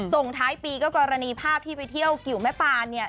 ส่งท้ายปีก็กรณีภาพที่ไปเที่ยวกิวแม่ปานเนี่ย